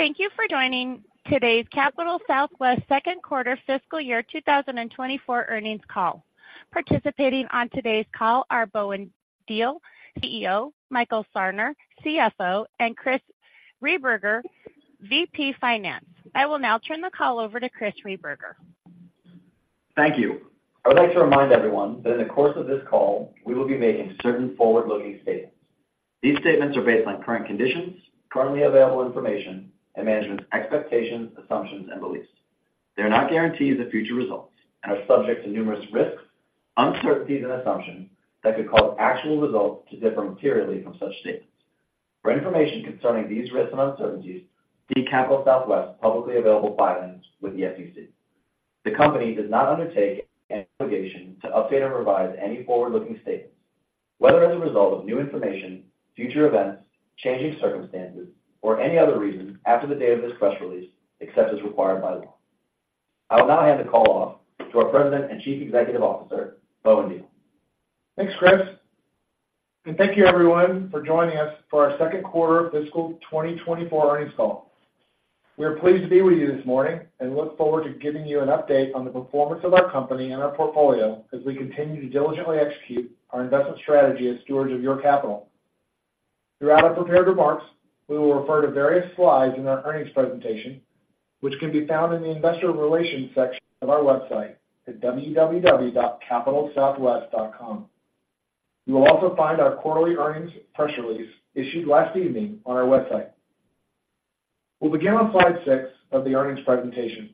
Thank you for joining today's Capital Southwest second quarter fiscal year 2024 earnings call. Participating on today's call are Bowen Diehl, CEO; Michael Sarner, CFO; and Chris Rehberger, VP Finance. I will now turn the call over to Chris Rehberger. Thank you. I would like to remind everyone that in the course of this call, we will be making certain forward-looking statements. These statements are based on current conditions, currently available information, and management's expectations, assumptions, and beliefs. They are not guarantees of future results and are subject to numerous risks, uncertainties, and assumptions that could cause actual results to differ materially from such statements. For information concerning these risks and uncertainties, see Capital Southwest's publicly available filings with the SEC. The company does not undertake any obligation to update or revise any forward-looking statements, whether as a result of new information, future events, changing circumstances, or any other reason after the date of this press release, except as required by law. I will now hand the call off to our President and Chief Executive Officer, Bowen Diehl. Thanks, Chris, and thank you everyone for joining us for our second quarter of fiscal 2024 earnings call. We are pleased to be with you this morning and look forward to giving you an update on the performance of our company and our portfolio as we continue to diligently execute our investment strategy as stewards of your capital. Throughout our prepared remarks, we will refer to various slides in our earnings presentation, which can be found in the Investor Relations section of our website at www.capitalsouthwest.com. You will also find our quarterly earnings press release issued last evening on our website. We'll begin on slide 6 of the earnings presentation,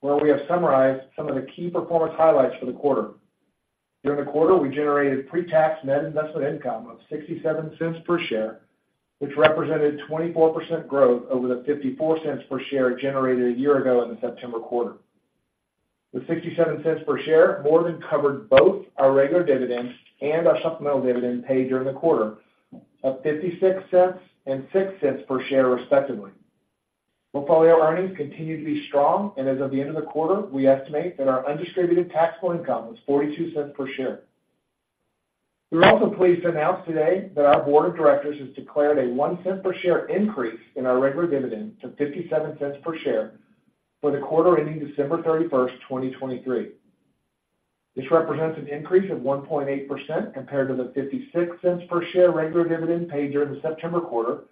where we have summarized some of the key performance highlights for the quarter. During the quarter, we generated pre-tax net investment income of $0.67 per share, which represented 24% growth over the $0.54 per share generated a year ago in the September quarter. The $0.67 per share more than covered both our regular dividend and our supplemental dividend paid during the quarter of $0.56 and $0.06 per share, respectively. Portfolio earnings continue to be strong, and as of the end of the quarter, we estimate that our undistributed taxable income was $0.42 per share. We're also pleased to announce today that our board of directors has declared a $0.01 per share increase in our regular dividend to $0.57 per share for the quarter ending December 31, 2023. This represents an increase of 1.8% compared to the $0.56 per share regular dividend paid during the September quarter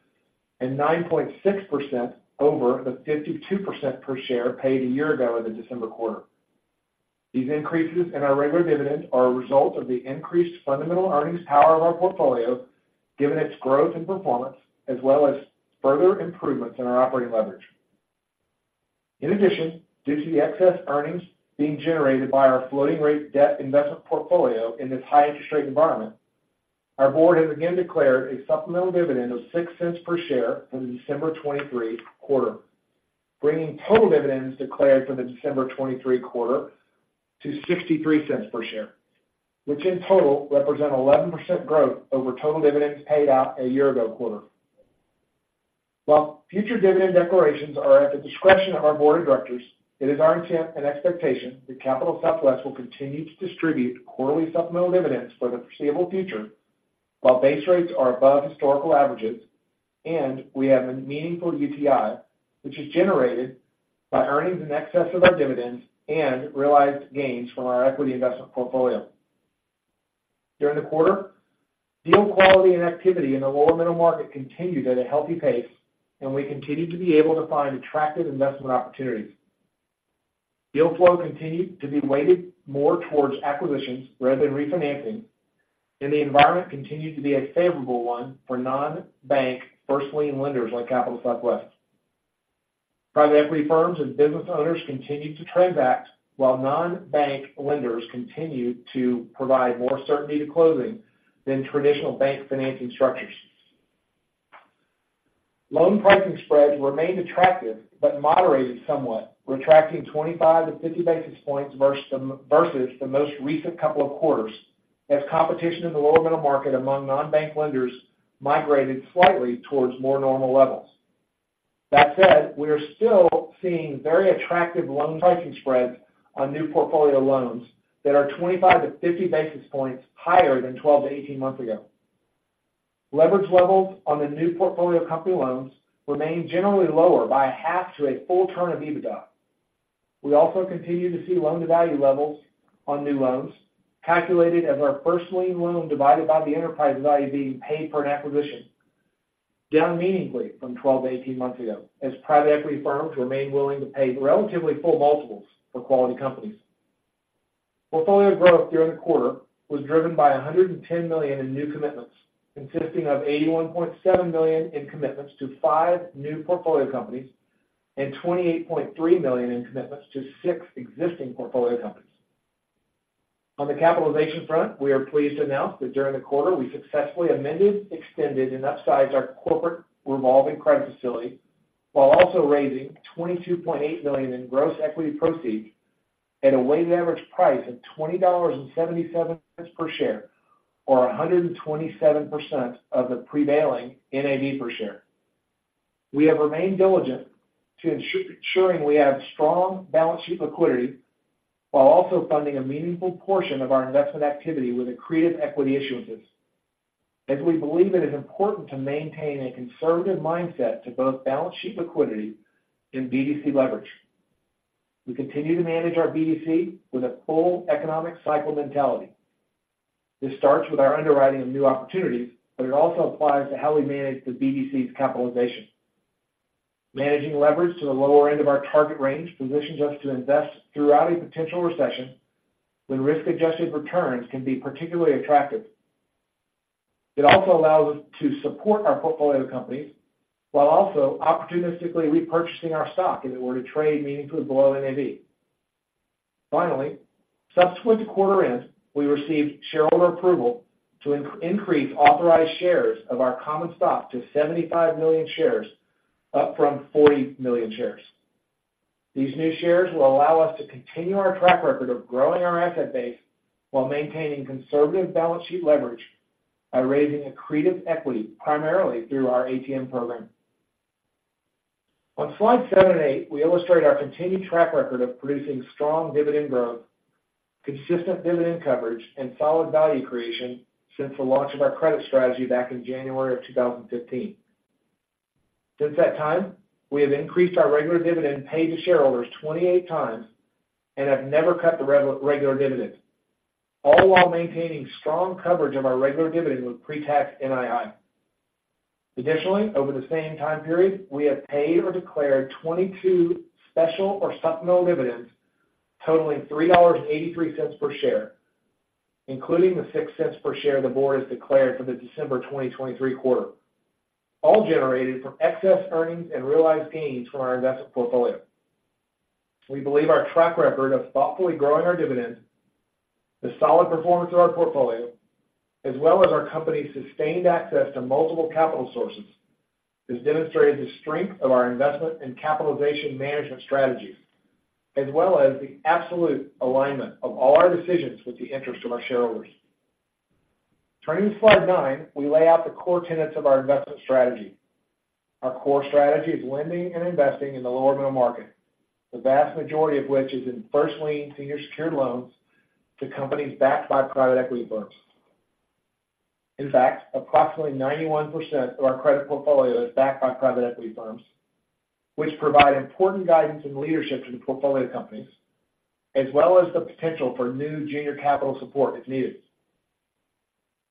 and 9.6% over the $0.52 per share paid a year ago in the December quarter. These increases in our regular dividend are a result of the increased fundamental earnings power of our portfolio, given its growth and performance, as well as further improvements in our operating leverage. In addition, due to the excess earnings being generated by our floating rate debt investment portfolio in this high interest rate environment, our board has again declared a supplemental dividend of $0.06 per share for the December 2023 quarter, bringing total dividends declared for the December 2023 quarter to $0.63 per share, which in total represent 11% growth over total dividends paid out a year ago quarter. While future dividend declarations are at the discretion of our board of directors, it is our intent and expectation that Capital Southwest will continue to distribute quarterly supplemental dividends for the foreseeable future, while base rates are above historical averages and we have a meaningful UTI, which is generated by earnings in excess of our dividends and realized gains from our equity investment portfolio. During the quarter, deal quality and activity in the lower middle market continued at a healthy pace, and we continued to be able to find attractive investment opportunities. Deal flow continued to be weighted more towards acquisitions rather than refinancing, and the environment continued to be a favorable one for non-bank first lien lenders like Capital Southwest. Private equity firms and business owners continued to transact, while non-bank lenders continued to provide more certainty to closing than traditional bank financing structures. Loan pricing spreads remained attractive but moderated somewhat, retracting 25-50 basis points versus the most recent couple of quarters, as competition in the lower middle market among non-bank lenders migrated slightly towards more normal levels. That said, we are still seeing very attractive loan pricing spreads on new portfolio loans that are 25-50 basis points higher than 12-18 months ago. Leverage levels on the new portfolio company loans remain generally lower by a half to a full turn of EBITDA. We also continue to see loan-to-value levels on new loans, calculated as our first lien loan divided by the enterprise value being paid for an acquisition, down meaningfully from 12-18 months ago, as private equity firms remain willing to pay relatively full multiples for quality companies. Portfolio growth during the quarter was driven by $110 million in new commitments, consisting of $81.7 million in commitments to five new portfolio companies and $28.3 million in commitments to six existing portfolio companies. On the capitalization front, we are pleased to announce that during the quarter, we successfully amended, extended, and upsized our corporate revolving credit facility, while also raising $22.8 million in gross equity proceeds at a weighted average price of $20.77 per share or 127% of the prevailing NAV per share. We have remained diligent to ensuring we have strong balance sheet liquidity, while also funding a meaningful portion of our investment activity with accretive equity issuances.... as we believe it is important to maintain a conservative mindset to both balance sheet liquidity and BDC leverage. We continue to manage our BDC with a full economic cycle mentality. This starts with our underwriting of new opportunities, but it also applies to how we manage the BDC's capitalization. Managing leverage to the lower end of our target range positions us to invest throughout a potential recession when risk-adjusted returns can be particularly attractive. It also allows us to support our portfolio companies, while also opportunistically repurchasing our stock if it were to trade meaningfully below NAV. Finally, subsequent to quarter end, we received shareholder approval to increase authorized shares of our common stock to 75 million shares, up from 40 million shares. These new shares will allow us to continue our track record of growing our asset base while maintaining conservative balance sheet leverage by raising accretive equity, primarily through our ATM program. On Slide 7 and 8, we illustrate our continued track record of producing strong dividend growth, consistent dividend coverage, and solid value creation since the launch of our credit strategy back in January 2015. Since that time, we have increased our regular dividend paid to shareholders 28 times and have never cut the regular dividend, all while maintaining strong coverage of our regular dividend with pre-tax NII. Additionally, over the same time period, we have paid or declared 22 special or supplemental dividends, totaling $3.83 per share, including the $0.06 per share the board has declared for the December 2023 quarter, all generated from excess earnings and realized gains from our investment portfolio. We believe our track record of thoughtfully growing our dividends, the solid performance of our portfolio, as well as our company's sustained access to multiple capital sources, has demonstrated the strength of our investment and capitalization management strategies, as well as the absolute alignment of all our decisions with the interest of our shareholders. Turning to Slide 9, we lay out the core tenets of our investment strategy. Our core strategy is lending and investing in the lower middle market, the vast majority of which is in first lien senior secured loans to companies backed by private equity firms. In fact, approximately 91% of our credit portfolio is backed by private equity firms, which provide important guidance and leadership to the portfolio companies, as well as the potential for new junior capital support if needed.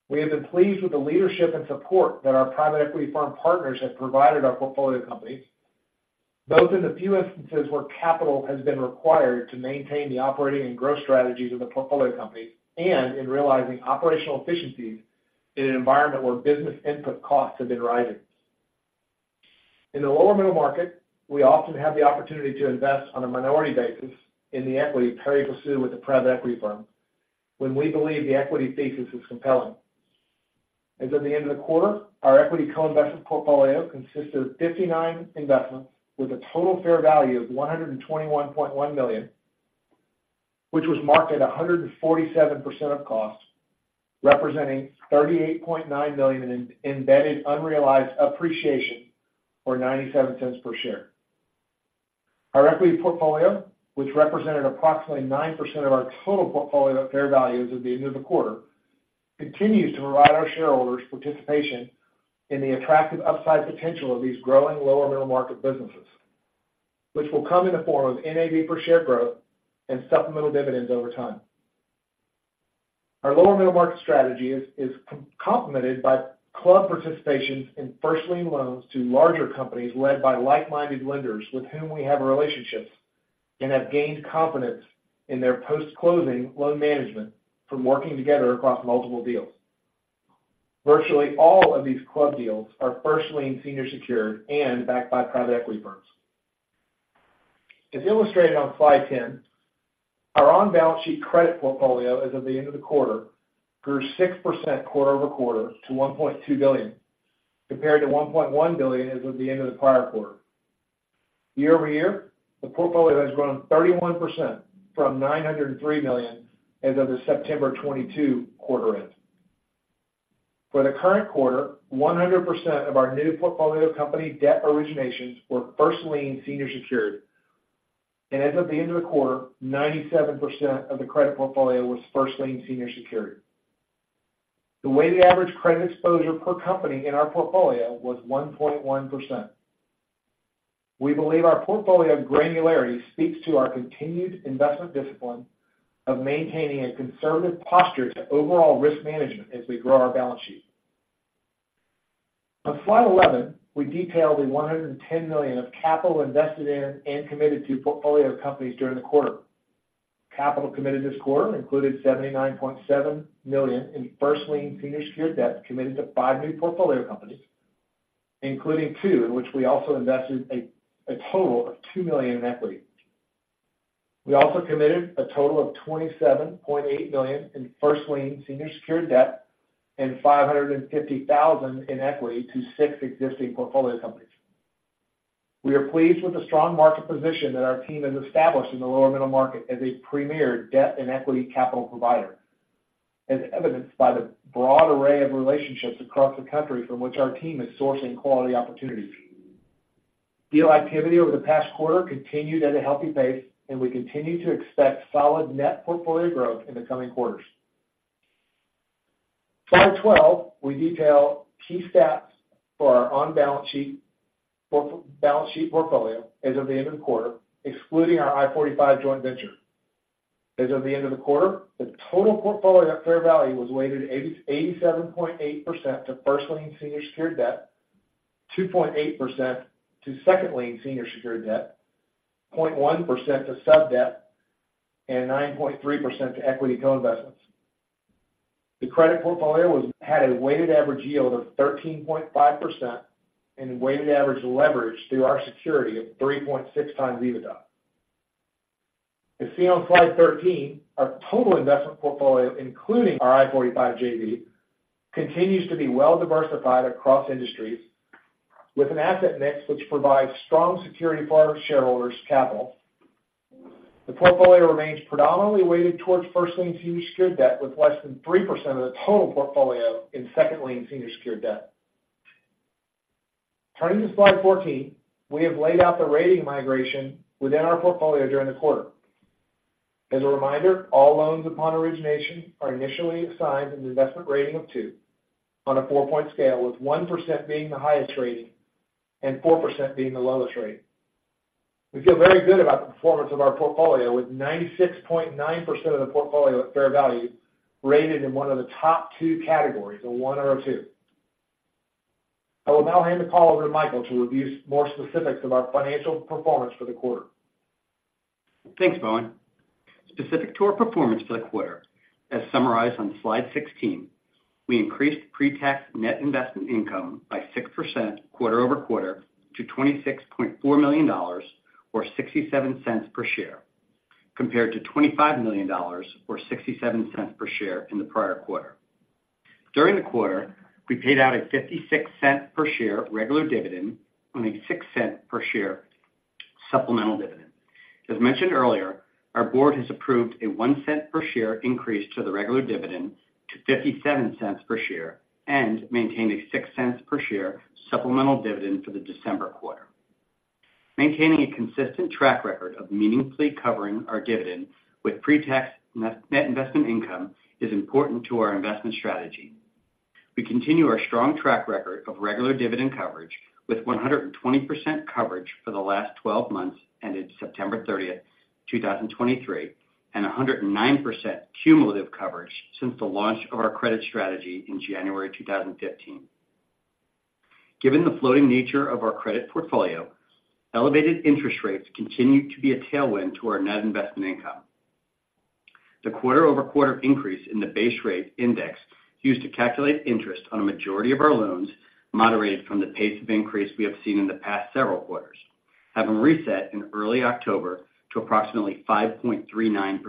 We have been pleased with the leadership and support that our private equity firm partners have provided our portfolio companies, both in the few instances where capital has been required to maintain the operating and growth strategies of the portfolio companies and in realizing operational efficiencies in an environment where business input costs have been rising. In the lower middle market, we often have the opportunity to invest on a minority basis in the equity pari passu with the private equity firm when we believe the equity thesis is compelling. As of the end of the quarter, our equity co-investment portfolio consists of 59 investments with a total fair value of $121.1 million, which was marked at 147% of cost, representing $38.9 million in embedded unrealized appreciation or $0.97 per share. Our equity portfolio, which represented approximately 9% of our total portfolio fair value as of the end of the quarter, continues to provide our shareholders participation in the attractive upside potential of these growing lower middle market businesses, which will come in the form of NAV per share growth and supplemental dividends over time. Our lower middle market strategy is complemented by club participations in first lien loans to larger companies led by like-minded lenders with whom we have relationships and have gained confidence in their post-closing loan management from working together across multiple deals. Virtually all of these club deals are first lien senior secured and backed by private equity firms. As illustrated on Slide 10, our on-balance sheet credit portfolio as of the end of the quarter grew 6% quarter-over-quarter to $1.2 billion, compared to $1.1 billion as of the end of the prior quarter. Year-over-year, the portfolio has grown 31% from $903 million as of the September 2022 quarter end. For the current quarter, 100% of our new portfolio company debt originations were first lien senior secured, and as of the end of the quarter, 97% of the credit portfolio was first lien senior secured. The weighted average credit exposure per company in our portfolio was 1.1%. We believe our portfolio granularity speaks to our continued investment discipline of maintaining a conservative posture to overall risk management as we grow our balance sheet. On Slide 11, we detail $110 million of capital invested in and committed to portfolio companies during the quarter. Capital committed this quarter included $79.7 million in first lien senior secured debt committed to five new portfolio companies, including two in which we also invested a total of $2 million in equity. We also committed a total of $27.8 million in first lien senior secured debt and $550,000 in equity to six existing portfolio companies. We are pleased with the strong market position that our team has established in the lower middle market as a premier debt and equity capital provider, as evidenced by the broad array of relationships across the country from which our team is sourcing quality opportunities.... Deal activity over the past quarter continued at a healthy pace, and we continue to expect solid net portfolio growth in the coming quarters. Slide 12, we detail key stats for our on-balance sheet portfolio as of the end of the quarter, excluding our I-45 joint venture. As of the end of the quarter, the total portfolio at fair value was weighted 87.8% to first lien senior secured debt, 2.8% to second lien senior secured debt, 0.1% to sub debt, and 9.3% to equity co-investments. The credit portfolio had a weighted average yield of 13.5% and a weighted average leverage through our security of 3.6x EBITDA. You see on Slide 13, our total investment portfolio, including our I-45 JV, continues to be well diversified across industries with an asset mix, which provides strong security for our shareholders' capital. The portfolio remains predominantly weighted towards first lien senior secured debt, with less than 3% of the total portfolio in second lien senior secured debt. Turning to Slide 14, we have laid out the rating migration within our portfolio during the quarter. As a reminder, all loans upon origination are initially assigned an investment rating of 2 on a 4-point scale, with 1 being the highest rating and 4 being the lowest rating. We feel very good about the performance of our portfolio, with 96.9% of the portfolio at fair value rated in one of the top two categories, a 1 or a 2. I will now hand the call over to Michael to review some more specifics of our financial performance for the quarter. Thanks, Bowen. Specific to our performance for the quarter, as summarized on Slide 16, we increased pre-tax net investment income by 6% quarter-over-quarter to $26.4 million or $0.67 per share, compared to $25 million or $0.67 per share in the prior quarter. During the quarter, we paid out a $0.56 per share regular dividend and a $0.06 per share supplemental dividend. As mentioned earlier, our board has approved a $0.01 per share increase to the regular dividend to $0.57 per share and maintained a $0.06 per share supplemental dividend for the December quarter. Maintaining a consistent track record of meaningfully covering our dividend with pre-tax net investment income is important to our investment strategy. We continue our strong track record of regular dividend coverage with 120% coverage for the last 12 months, ended September 30, 2023, and 109% cumulative coverage since the launch of our credit strategy in January 2015. Given the floating nature of our credit portfolio, elevated interest rates continue to be a tailwind to our net investment income. The quarter-over-quarter increase in the base rate index used to calculate interest on a majority of our loans moderated from the pace of increase we have seen in the past several quarters, having reset in early October to approximately 5.39%.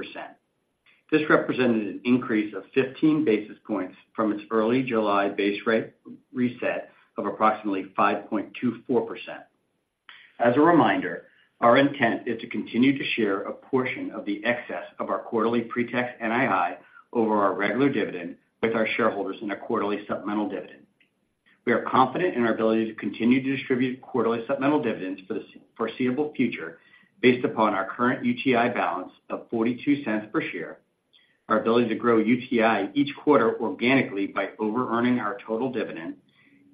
This represented an increase of 15 basis points from its early July base rate reset of approximately 5.24%. As a reminder, our intent is to continue to share a portion of the excess of our quarterly pre-tax NII over our regular dividend with our shareholders in a quarterly supplemental dividend. We are confident in our ability to continue to distribute quarterly supplemental dividends for the foreseeable future based upon our current UTI balance of $0.42 per share, our ability to grow UTI each quarter organically by overearning our total dividend,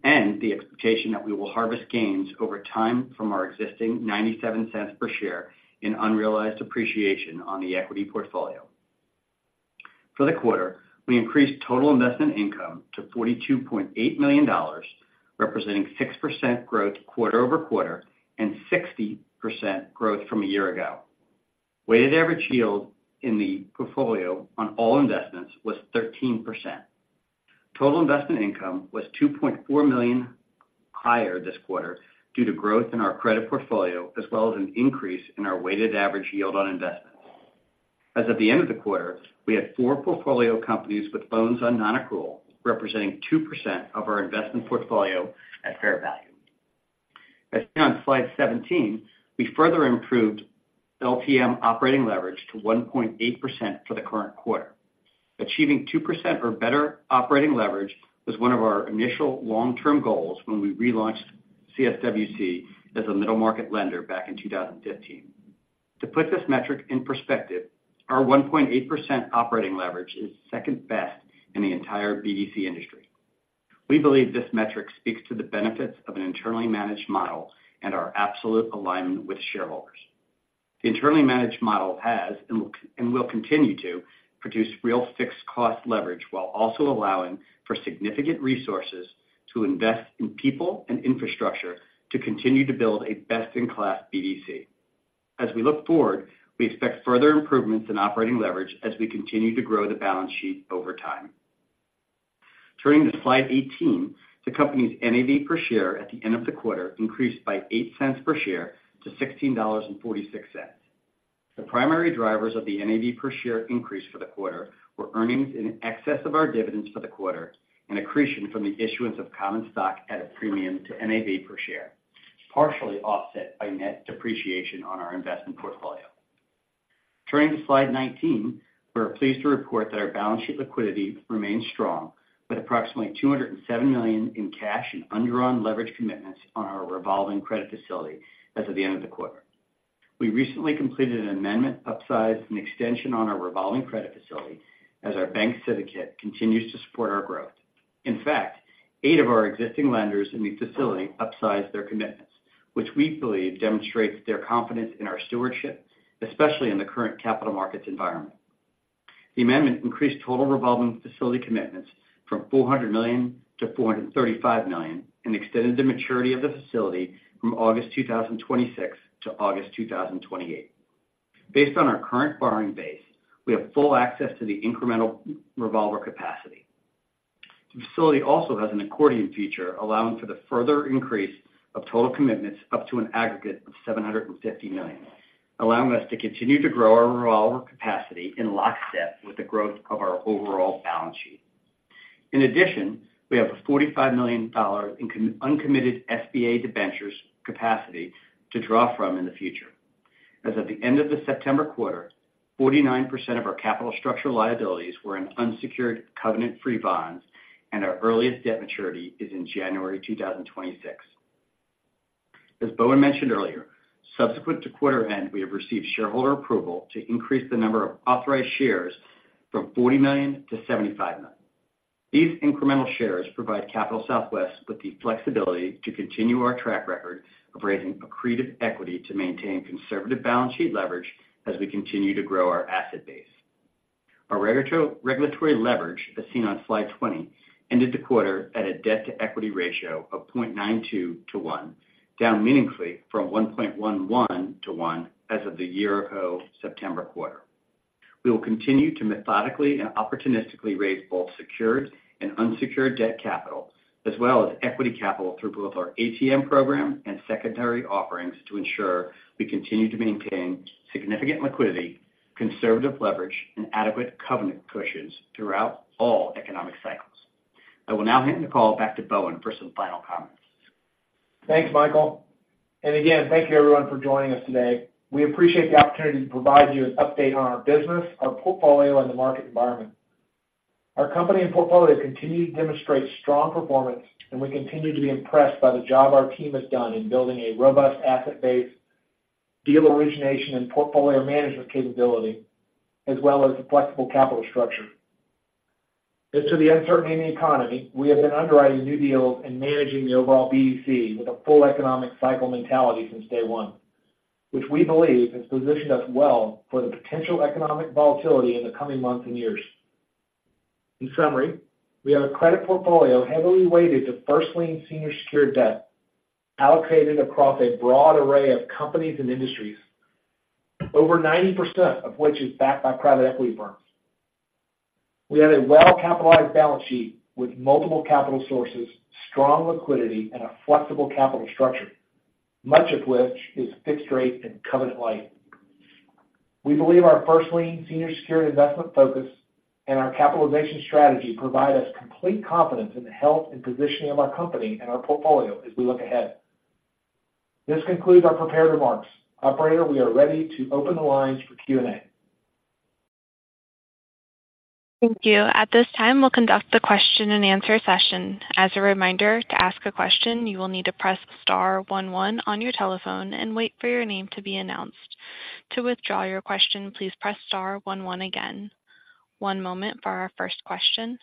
and the expectation that we will harvest gains over time from our existing $0.97 per share in unrealized appreciation on the equity portfolio. For the quarter, we increased total investment income to $42.8 million, representing 6% growth quarter-over-quarter and 60% growth from a year ago. Weighted average yield in the portfolio on all investments was 13%. Total investment income was $2.4 million higher this quarter due to growth in our credit portfolio, as well as an increase in our weighted average yield on investments. As of the end of the quarter, we had 4 portfolio companies with loans on nonaccrual, representing 2% of our investment portfolio at fair value. As seen on Slide 17, we further improved LTM operating leverage to 1.8% for the current quarter. Achieving 2% or better operating leverage was one of our initial long-term goals when we relaunched CSWC as a middle market lender back in 2015. To put this metric in perspective, our 1.8% operating leverage is second best in the entire BDC industry. We believe this metric speaks to the benefits of an internally managed model and our absolute alignment with shareholders. The internally managed model has and will continue to produce real fixed cost leverage, while also allowing for significant resources to invest in people and infrastructure to continue to build a best-in-class BDC. As we look forward, we expect further improvements in operating leverage as we continue to grow the balance sheet over time. Turning to Slide 18, the company's NAV per share at the end of the quarter increased by $0.08 per share to $16.46. The primary drivers of the NAV per share increase for the quarter were earnings in excess of our dividends for the quarter and accretion from the issuance of common stock at a premium to NAV per share, partially offset by net depreciation on our investment portfolio.... Turning to Slide 19, we're pleased to report that our balance sheet liquidity remains strong, with approximately $207 million in cash and undrawn leverage commitments on our revolving credit facility as of the end of the quarter. We recently completed an amendment, upsize, and extension on our revolving credit facility as our bank syndicate continues to support our growth. In fact, eight of our existing lenders in the facility upsized their commitments, which we believe demonstrates their confidence in our stewardship, especially in the current capital markets environment. The amendment increased total revolving facility commitments from $400 million to $435 million and extended the maturity of the facility from August 2026 to August 2028. Based on our current borrowing base, we have full access to the incremental revolver capacity. The facility also has an accordion feature, allowing for the further increase of total commitments up to an aggregate of $750 million, allowing us to continue to grow our revolver capacity in lockstep with the growth of our overall balance sheet. In addition, we have a $45 million in uncommitted SBA debentures capacity to draw from in the future. As of the end of the September quarter, 49% of our capital structural liabilities were in unsecured covenant-free bonds, and our earliest debt maturity is in January 2026. As Bowen mentioned earlier, subsequent to quarter end, we have received shareholder approval to increase the number of authorized shares from 40 million to 75 million. These incremental shares provide Capital Southwest with the flexibility to continue our track record of raising accretive equity to maintain conservative balance sheet leverage as we continue to grow our asset base. Our regulatory leverage, as seen on Slide 20, ended the quarter at a debt-to-equity ratio of 0.92 to 1, down meaningfully from 1.11 to 1 as of the year-ago September quarter. We will continue to methodically and opportunistically raise both secured and unsecured debt capital, as well as equity capital through both our ATM program and secondary offerings to ensure we continue to maintain significant liquidity, conservative leverage, and adequate covenant cushions throughout all economic cycles. I will now hand the call back to Bowen for some final comments. Thanks, Michael, and again, thank you everyone for joining us today. We appreciate the opportunity to provide you an update on our business, our portfolio, and the market environment. Our company and portfolio continue to demonstrate strong performance, and we continue to be impressed by the job our team has done in building a robust asset base, deal origination, and portfolio management capability, as well as a flexible capital structure. As to the uncertainty in the economy, we have been underwriting new deals and managing the overall BDC with a full economic cycle mentality since day one, which we believe has positioned us well for the potential economic volatility in the coming months and years. In summary, we have a credit portfolio heavily weighted to first-lien senior secured debt, allocated across a broad array of companies and industries, over 90% of which is backed by private equity firms. We have a well-capitalized balance sheet with multiple capital sources, strong liquidity, and a flexible capital structure, much of which is fixed rate and covenant-lite. We believe our first-lien senior secured investment focus and our capitalization strategy provide us complete confidence in the health and positioning of our company and our portfolio as we look ahead. This concludes our prepared remarks. Operator, we are ready to open the lines for Q&A. Thank you. At this time, we'll conduct the question-and-answer session. As a reminder, to ask a question, you will need to press star one one on your telephone and wait for your name to be announced. To withdraw your question, please press star one one again. One moment for our first question.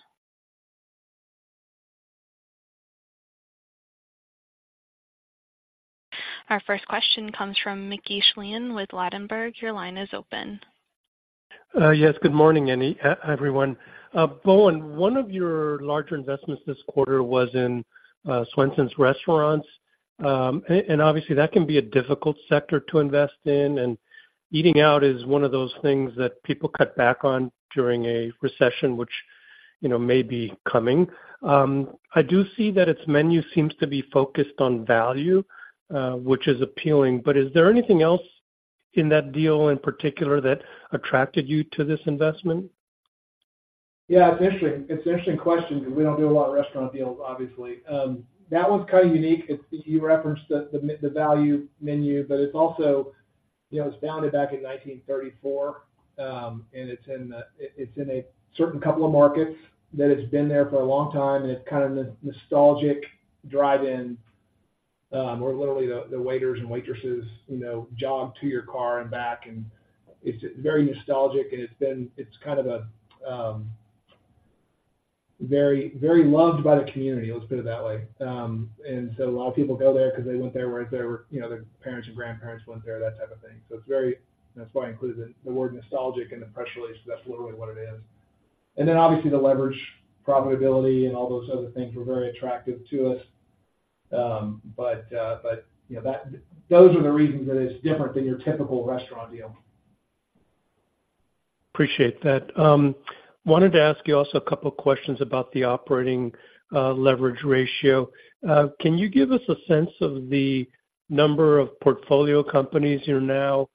Our first question comes from Mickey Schleien with Ladenburg. Your line is open. Yes, good morning, and everyone. Bowen, one of your larger investments this quarter was in Swensons Restaurants. And obviously, that can be a difficult sector to invest in, and eating out is one of those things that people cut back on during a recession, which, you know, may be coming. I do see that its menu seems to be focused on value, which is appealing, but is there anything else in that deal in particular that attracted you to this investment? Yeah, it's interesting. It's an interesting question because we don't do a lot of restaurant deals, obviously. That one's kind of unique. It's you referenced the value menu, but it's also, you know, it was founded back in 1934, and it's in a certain couple of markets that it's been there for a long time, and it's kind of a nostalgic drive-in, where literally the waiters and waitresses, you know, jog to your car and back, and it's very nostalgic, and it's been. It's kind of a very, very loved by the community, let's put it that way. And so a lot of people go there because they went there when they were, you know, their parents and grandparents went there, that type of thing. So it's very... That's why I included the word nostalgic in the press release, because that's literally what it is. And then obviously, the leverage profitability and all those other things were very attractive to us. But, you know, that those are the reasons that it's different than your typical restaurant deal. Appreciate that. Wanted to ask you also a couple of questions about the operating leverage ratio. Can you give us a sense of the number of portfolio companies you're now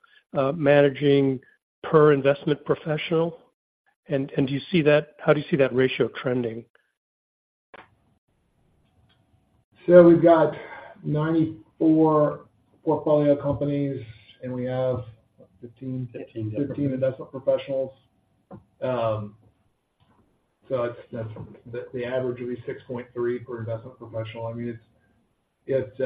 managing per investment professional? And do you see that, how do you see that ratio trending? ...So we've got 94 portfolio companies, and we have 15- Fifteen - 15 investment professionals. So it's, that's the average would be 6.3 per investment professional. I mean, it's,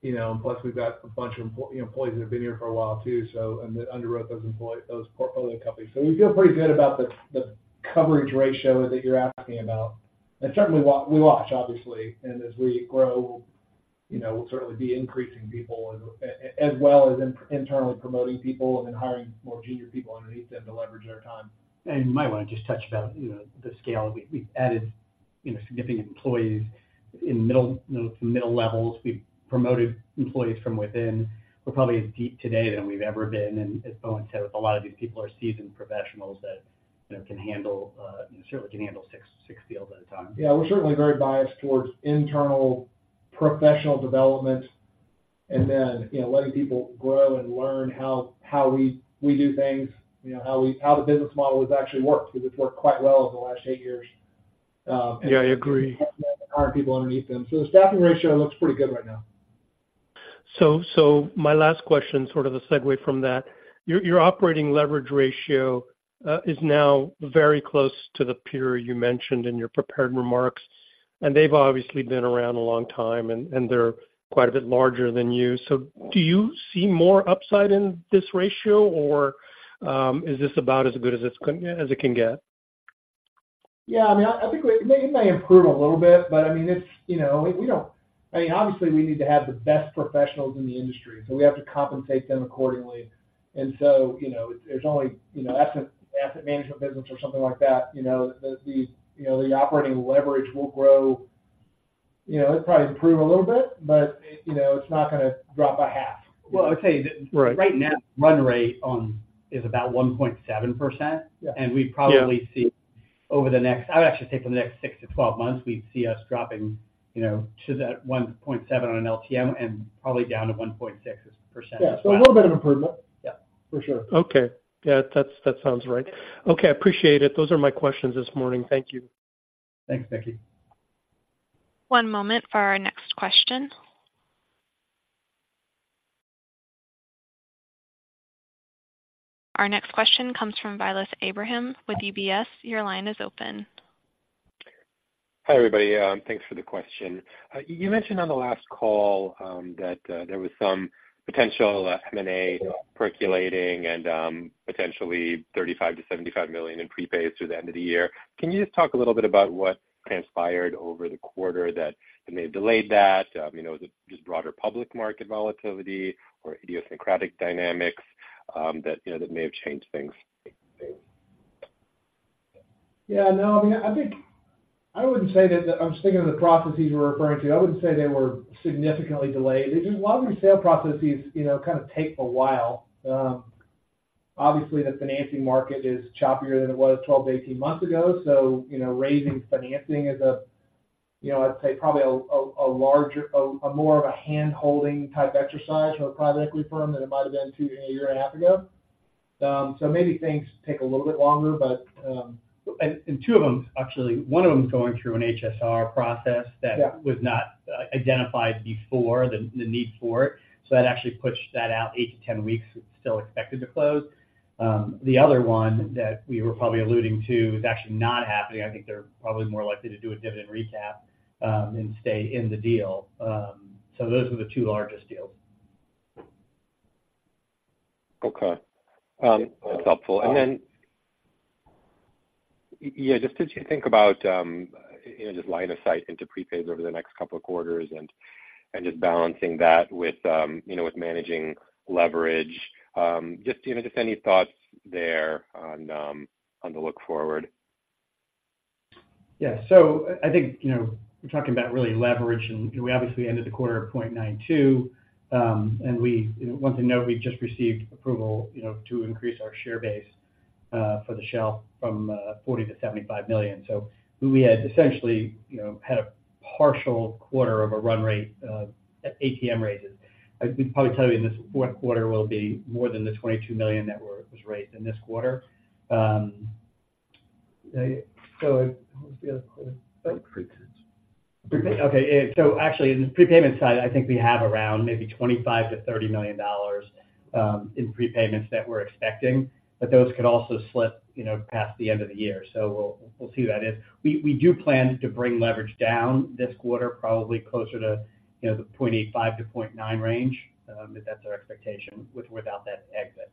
you know, plus we've got a bunch of employees that have been here for a while, too, so, and that underwrote those portfolio companies. So we feel pretty good about the coverage ratio that you're asking about. And certainly, we watch, obviously, and as we grow, you know, we'll certainly be increasing people, as well as internally promoting people and then hiring more junior people underneath them to leverage our time. You might wanna just touch about, you know, the scale. We, we've added, you know, significant employees in middle, you know, to middle levels. We've promoted employees from within. We're probably as deep today than we've ever been, and as Bowen said, a lot of these people are seasoned professionals that, you know, can handle, certainly can handle 6, 6 deals at a time. Yeah, we're certainly very biased towards internal professional development, and then, you know, letting people grow and learn how we do things, you know, how the business model has actually worked, because it's worked quite well over the last eight years. Yeah, I agree. Hiring people underneath them. So the staffing ratio looks pretty good right now. So, my last question, sort of a segue from that, your operating leverage ratio is now very close to the peer you mentioned in your prepared remarks, and they've obviously been around a long time, and they're quite a bit larger than you. So do you see more upside in this ratio, or is this about as good as it can get? Yeah, I mean, I think it may improve a little bit, but I mean, it's... You know, we don't—I mean, obviously, we need to have the best professionals in the industry, so we have to compensate them accordingly. And so, you know, there's only, you know, asset management business or something like that, you know, the operating leverage will grow. You know, it'll probably improve a little bit, but, you know, it's not gonna drop by half. Well, I'll tell you, the- Right. Right now, run rate on is about 1.7%. Yeah. And we'd- Yeah... probably see over the next, I'd actually say over the next 6-12 months, we'd see us dropping, you know, to that 1.7 on an LTM and probably down to 1.6%. Yeah, so a little bit of improvement. Yeah. For sure. Okay. Yeah, that's, that sounds right. Okay, I appreciate it. Those are my questions this morning. Thank you. Thanks, Mickey. One moment for our next question. Our next question comes from Vilas Abraham with UBS. Your line is open. Hi, everybody, thanks for the question. You mentioned on the last call that there was some potential M&A percolating and potentially $35 million-$75 million in prepays through the end of the year. Can you just talk a little bit about what transpired over the quarter that may have delayed that? You know, was it just broader public market volatility or idiosyncratic dynamics that you know that may have changed things? Yeah, no, I mean, I think... I wouldn't say that, I was thinking of the processes you were referring to, I wouldn't say they were significantly delayed. It's just a lot of your sale processes, you know, kind of take a while. Obviously, the financing market is choppier than it was 12-18 months ago, so, you know, raising financing is a, you know, I'd say probably a, a, a larger, a, a more of a handholding type exercise from a private equity firm than it might have been 2, a year and a half ago. So maybe things take a little bit longer, but, Two of them, actually, one of them is going through an HSR process that- Yeah was not identified before the need for it. So that actually pushed that out 8-10 weeks. It's still expected to close. The other one that we were probably alluding to is actually not happening. I think they're probably more likely to do a dividend recap and stay in the deal. So those are the two largest deals. Okay. That's helpful. And then, yeah, just as you think about, you know, just line of sight into prepay over the next couple of quarters and just balancing that with, you know, with managing leverage, just, you know, just any thoughts there on, on the look forward? Yeah. So I think, you know, we're talking about really leverage, and we obviously ended the quarter at 0.92. And we, you know, one thing to note, we just received approval, you know, to increase our share base for the shelf from 40 to 75 million. So we had essentially, you know, had a partial quarter of a run rate at ATM raises. We'd probably tell you in this fourth quarter will be more than the $22 million that was raised in this quarter. So what was the other question? Prepayments. Prepayment. Okay, so actually, in the prepayment side, I think we have around maybe $25 million-$30 million in prepayments that we're expecting, but those could also slip, you know, past the end of the year. So we'll see that is. We do plan to bring leverage down this quarter, probably closer to, you know, the 0.85-0.9 range. But that's our expectation without that exit.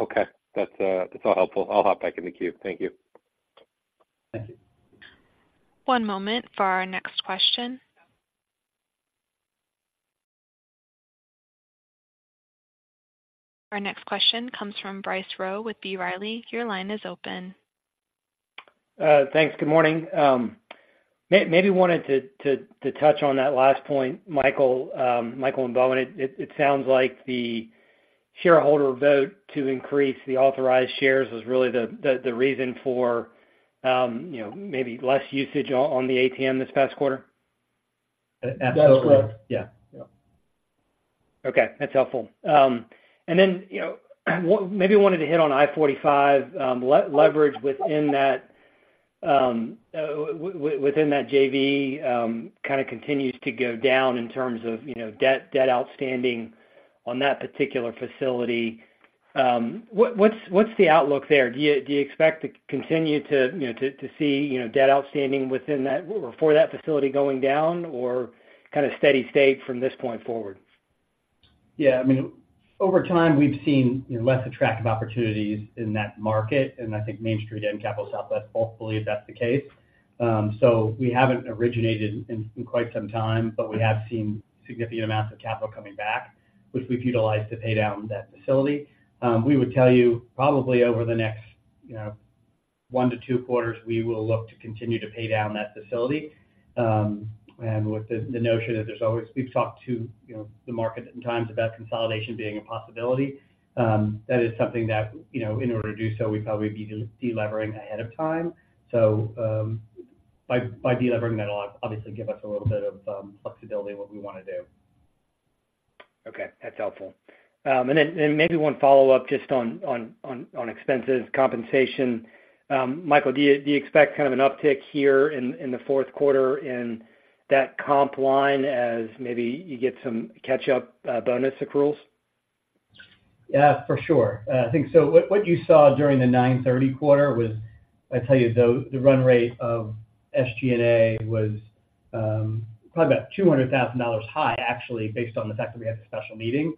Okay. That's, that's all helpful. I'll hop back in the queue. Thank you. Thank you. One moment for our next question. Our next question comes from Bryce Rowe with B. Riley. Your line is open. Thanks. Good morning. Maybe wanted to touch on that last point, Michael and Bowen, it sounds like the shareholder vote to increase the authorized shares was really the reason for, you know, maybe less usage on the ATM this past quarter? Absolutely. That's correct. Yeah. Yeah.... Okay, that's helpful. And then, you know, maybe I wanted to hit on I-45, leverage within that, within that JV, kind of continues to go down in terms of, you know, debt, debt outstanding on that particular facility. What’s the outlook there? Do you expect to continue to, you know, to see, you know, debt outstanding within that or for that facility going down or kind of steady state from this point forward? Yeah, I mean, over time, we've seen, you know, less attractive opportunities in that market, and I think Main Street and Capital Southwest both believe that's the case. So we haven't originated in quite some time, but we have seen significant amounts of capital coming back, which we've utilized to pay down that facility. We would tell you probably over the next, you know, 1-2 quarters, we will look to continue to pay down that facility. And with the notion that there's always—we've talked to, you know, the market in terms of that consolidation being a possibility, that is something that, you know, in order to do so, we'd probably be delevering ahead of time. So, by delevering, that'll obviously give us a little bit of flexibility in what we want to do. Okay. That's helpful. And then maybe one follow-up just on expenses, compensation. Michael, do you expect kind of an uptick here in the fourth quarter in that comp line as maybe you get some catch up bonus accruals? Yeah, for sure. I think so—what you saw during the third quarter was, I tell you, the run rate of SG&A was probably about $200,000 high, actually, based on the fact that we had the special meeting.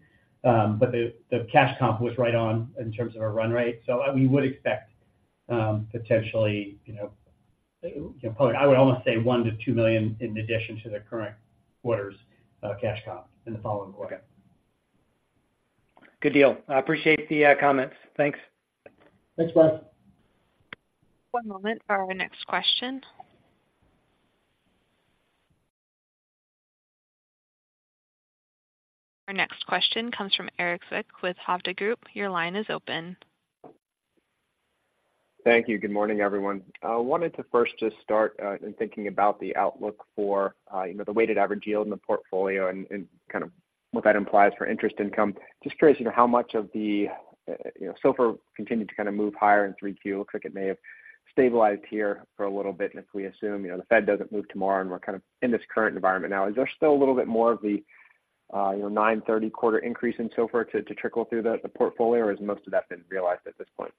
But the cash comp was right on in terms of our run rate. So, we would expect, potentially, you know, probably, I would almost say $1 million-$2 million in addition to the current quarter's cash comp in the following quarter. Okay. Good deal. I appreciate the comments. Thanks. Thanks, Wes. One moment for our next question. Our next question comes from Erik Zwick with Hovde Group. Your line is open. Thank you. Good morning, everyone. I wanted to first just start in thinking about the outlook for, you know, the weighted average yield in the portfolio and kind of what that implies for interest income. Just curious, you know, how much of the, you know, SOFR continued to kind of move higher in 3Q. Looks like it may have stabilized here for a little bit. And if we assume, you know, the Fed doesn't move tomorrow, and we're kind of in this current environment now, is there still a little bit more of the, you know, 9/30 quarter increase in SOFR to trickle through the portfolio, or has most of that been realized at this point?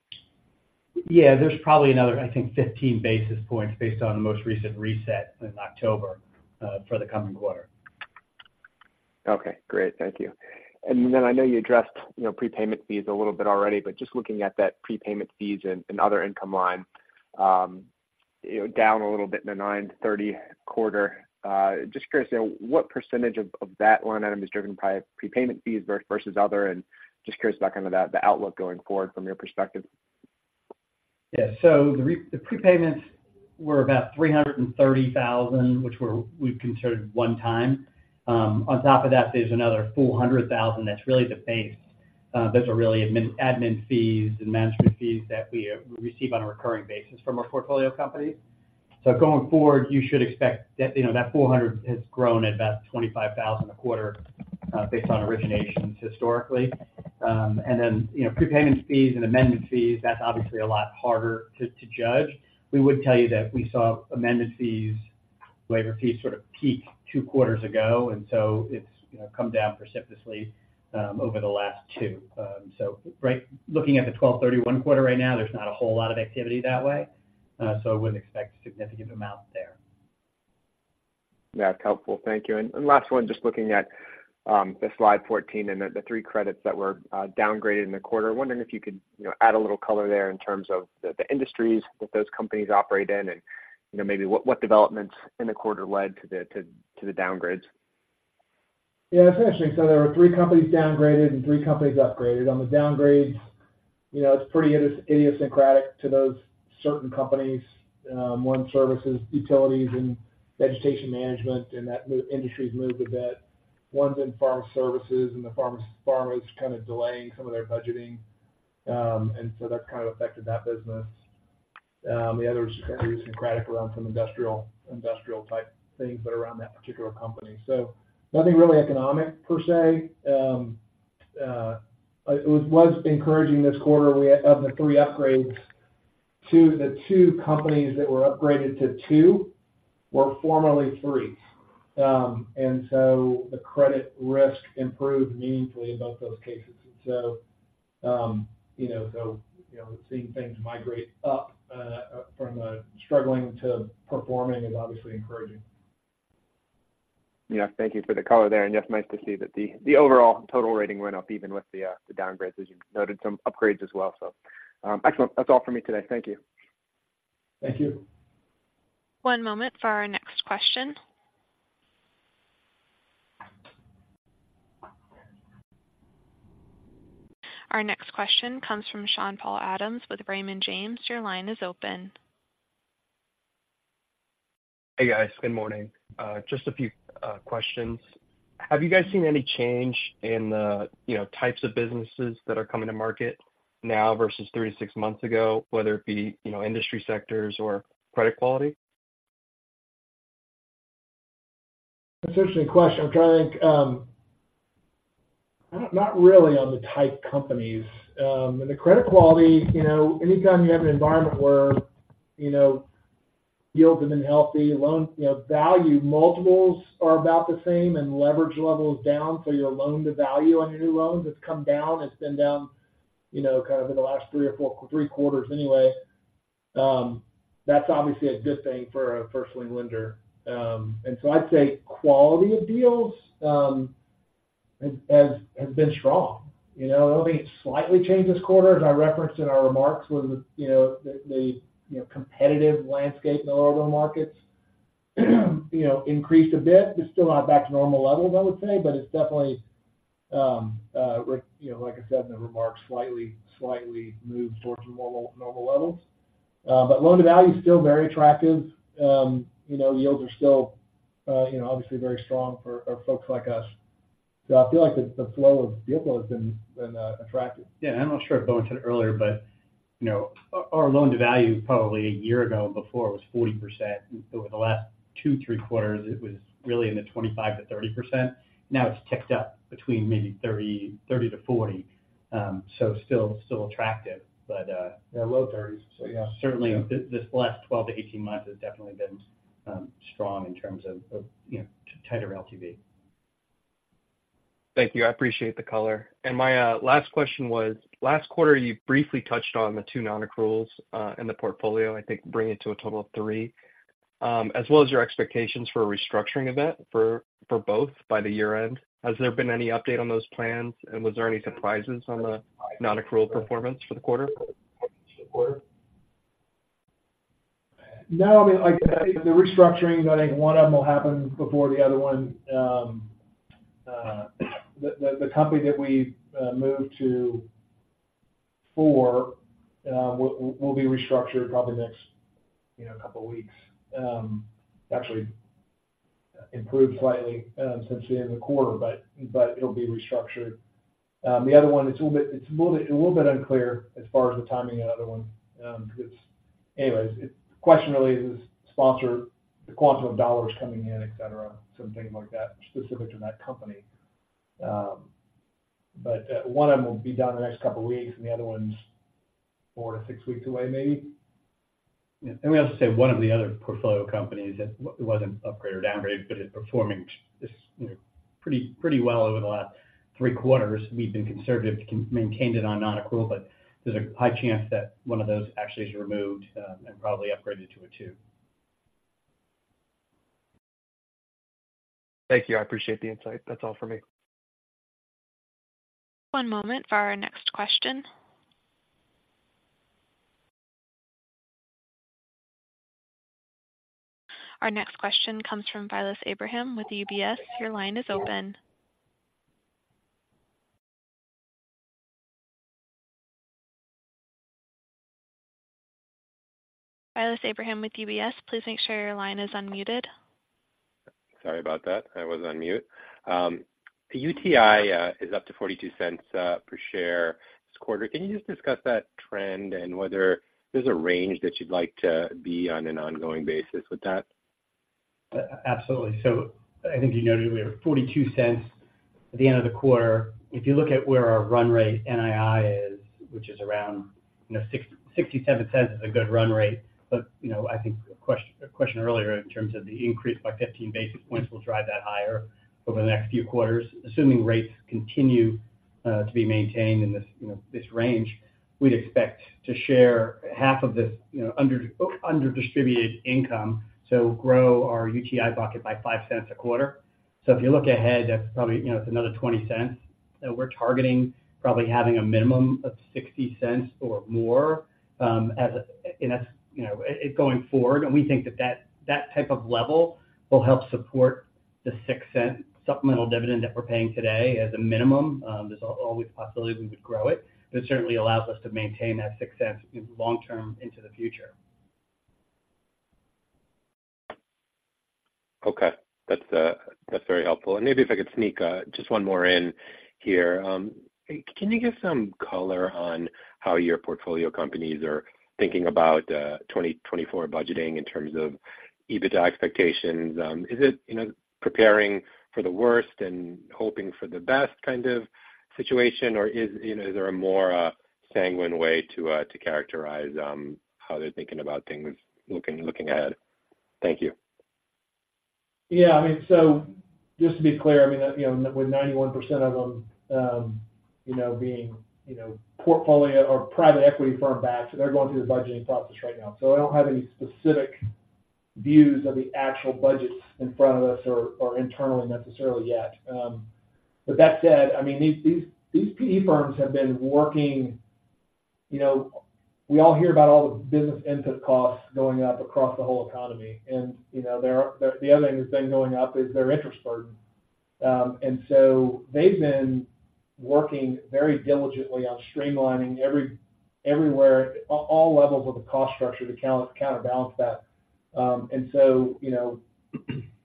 Yeah, there's probably another, I think, 15 basis points based on the most recent reset in October for the coming quarter. Okay, great. Thank you. And then I know you addressed, you know, prepayment fees a little bit already, but just looking at that prepayment fees and other income line, you know, down a little bit in the 9/30 quarter. Just curious, you know, what percentage of that line item is driven by prepayment fees versus other? And just curious about kind of the outlook going forward from your perspective. Yeah. So the prepayments were about $330,000, which we've considered one time. On top of that, there's another $400,000 that's really the base. Those are really admin fees and management fees that we receive on a recurring basis from our portfolio companies. So going forward, you should expect that, you know, that $400,000 has grown at about $25,000 a quarter, based on originations historically. And then, you know, prepayment fees and amendment fees, that's obviously a lot harder to judge. We would tell you that we saw amendment fees, waiver fees sort of peak two quarters ago, and so it's, you know, come down precipitously, over the last two. So, right now, looking at the 12/31 quarter right now, there's not a whole lot of activity that way, so I wouldn't expect a significant amount there. Yeah, helpful. Thank you. And last one, just looking at the slide 14 and the 3 credits that were downgraded in the quarter. I'm wondering if you could, you know, add a little color there in terms of the industries that those companies operate in, and, you know, maybe what developments in the quarter led to the downgrades? Yeah, it's interesting. So there were 3 companies downgraded and 3 companies upgraded. On the downgrades, you know, it's pretty idiosyncratic to those certain companies. One services utilities and vegetation management, and that industry's moved a bit. One's in farm services, and the pharma is kind of delaying some of their budgeting, and so that's kind of affected that business. The other is kind of idiosyncratic around some industrial, industrial-type things, but around that particular company. So nothing really economic per se. It was encouraging this quarter, of the 3 upgrades, the 2 companies that were upgraded to 2 were formerly 3. And so the credit risk improved meaningfully in both those cases. And so, you know, so, you know, seeing things migrate up, from a struggling to performing is obviously encouraging. Yeah, thank you for the color there. And yes, nice to see that the, the overall total rating went up, even with the, the downgrades, as you noted, some upgrades as well. So, excellent. That's all for me today. Thank you. Thank you. One moment for our next question. Our next question comes from Sean-Paul Adams with Raymond James. Your line is open. Hey, guys. Good morning. Just a few questions. Have you guys seen any change in the, you know, types of businesses that are coming to market now versus 3-6 months ago, whether it be, you know, industry sectors or credit quality?... That's actually a question. I'm trying to think, not really on the type companies. The credit quality, you know, anytime you have an environment where, you know, yields have been healthy, loan value multiples are about the same, and leverage level is down. So your loan-to-value on your new loans has come down. It's been down, you know, kind of in the last three or four - three quarters anyway. That's obviously a good thing for a first lien lender. So I'd say quality of deals has been strong. You know, I think it slightly changed this quarter, as I referenced in our remarks, where the competitive landscape in the overall markets, you know, increased a bit. It's still not back to normal levels, I would say, but it's definitely, you know, like I said in the remarks, slightly, slightly moved towards normal, normal levels. But loan-to-value is still very attractive. You know, yields are still, you know, obviously very strong for, for folks like us. So I feel like the, the flow of deal flow has been, been, attractive. Yeah, and I'm not sure if Bo said it earlier, but, you know, our loan-to-value probably a year ago and before was 40%. Over the last two, three quarters, it was really in the 25%-30%. Now, it's ticked up between maybe 30, 30-40. So still, still attractive, but- Yeah, low 30s. So yeah. Certainly, this last 12-18 months has definitely been strong in terms of, you know, tighter LTV. Thank you. I appreciate the color. My last question was, last quarter, you briefly touched on the two nonaccruals in the portfolio, I think, bringing it to a total of three, as well as your expectations for a restructuring event for both by the year-end. Has there been any update on those plans, and was there any surprises on the nonaccrual performance for the quarter? No, I mean, like, the restructurings, I think one of them will happen before the other one. The company that we moved to 4 will be restructured probably the next, you know, couple weeks. Actually improved slightly since the end of the quarter, but it'll be restructured. The other one, it's a little bit unclear as far as the timing of the other one, because it's... Anyways, the question really is sponsor-- the quantum of dollars coming in, et cetera, some things like that, specific to that company. But one of them will be done in the next couple of weeks, and the other one's 4-6 weeks away, maybe. Yeah. And we have to say one of the other portfolio companies, it wasn't upgraded or downgraded, but it's performing just, you know, pretty, pretty well over the last three quarters. We've been conservative to maintain it on nonaccrual, but there's a high chance that one of those actually is removed, and probably upgraded to a two. Thank you. I appreciate the insight. That's all for me. One moment for our next question. Our next question comes from Vilas Abraham with UBS. Your line is open. Vilas Abraham with UBS, please make sure your line is unmuted. Sorry about that. I was on mute. UTI is up to $0.42 per share this quarter. Can you just discuss that trend and whether there's a range that you'd like to be on an ongoing basis with that? Absolutely. So I think you noted we were $0.42 at the end of the quarter. If you look at where our run rate NII is, which is around, you know, $0.67 is a good run rate. But, you know, I think a question earlier in terms of the increase by 15 basis points will drive that higher over the next few quarters. Assuming rates continue to be maintained in this, you know, this range, we'd expect to share half of this, you know, under distributed income, so grow our UTI bucket by $0.05 a quarter. So if you look ahead, that's probably, you know, it's another $0.20. So we're targeting probably having a minimum of $0.60 or more, as and that's, you know, going forward, and we think that type of level will help support the $0.06 supplemental dividend that we're paying today as a minimum. There's always a possibility we would grow it, but it certainly allows us to maintain that success long term into the future. Okay. That's, that's very helpful. And maybe if I could sneak just one more in here. Can you give some color on how your portfolio companies are thinking about 2024 budgeting in terms of EBITDA expectations? Is it, you know, preparing for the worst and hoping for the best kind of situation, or is, you know, is there a more sanguine way to to characterize how they're thinking about things looking, looking ahead? Thank you. Yeah. I mean, so just to be clear, I mean, you know, with 91% of them, you know, being, you know, portfolio or private equity firm-backed, so they're going through the budgeting process right now. So I don't have any specific views of the actual budgets in front of us or, or internally necessarily yet. But that said, I mean, these, these, these PE firms have been working. You know, we all hear about all the business input costs going up across the whole economy, and, you know, there are- the, the other thing that's been going up is their interest burden. And so they've been working very diligently on streamlining everywhere, all levels of the cost structure to counterbalance that. And so, you know,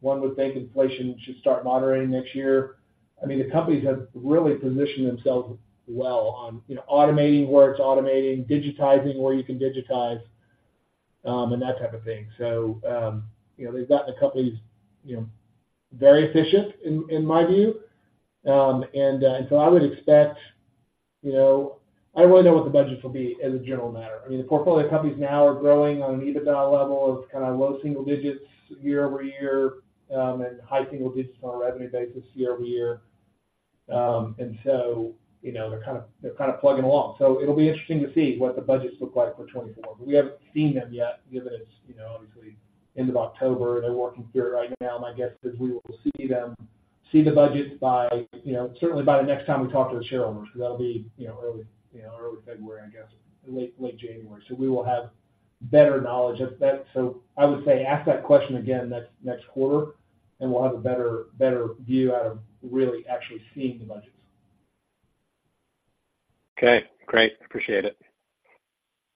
one would think inflation should start moderating next year. I mean, the companies have really positioned themselves well on, you know, automating where it's automating, digitizing where you can digitize, and that type of thing. So, you know, they've gotten the companies, you know, very efficient in my view. And so I would expect, you know... I don't really know what the budgets will be as a general matter. I mean, the portfolio companies now are growing on an EBITDA level of kind of low single digits year-over-year, and high single digits on a revenue basis year-over-year. And so, you know, they're kind of plugging along. So it'll be interesting to see what the budgets look like for 2024, but we haven't seen them yet, given it's, you know, obviously end of October. They're working through it right now. My guess is we will see the budgets by, you know, certainly by the next time we talk to the shareholders, because that'll be, you know, early February, I guess, late January. So we will have better knowledge of that. So I would say, ask that question again next quarter, and we'll have a better view out of really actually seeing the budgets. Okay, great. Appreciate it.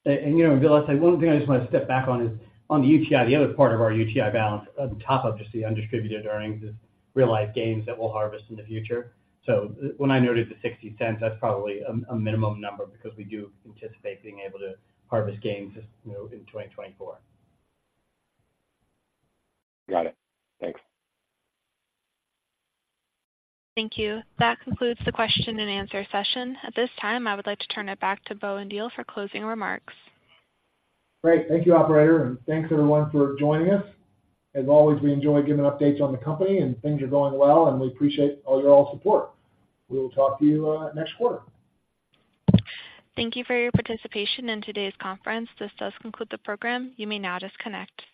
You know, Vilas, one thing I just want to step back on is, on the UTI, the other part of our UTI balance on top of just the undistributed earnings is realized gains that we'll harvest in the future. So when I noted the $0.60, that's probably a minimum number because we do anticipate being able to harvest gains, as you know, in 2024. Got it. Thanks. Thank you. That concludes the question and answer session. At this time, I would like to turn it back to Bowen Diehl for closing remarks. Great. Thank you, operator, and thanks, everyone, for joining us. As always, we enjoy giving updates on the company, and things are going well, and we appreciate all your support. We will talk to you next quarter. Thank you for your participation in today's conference. This does conclude the program. You may now disconnect.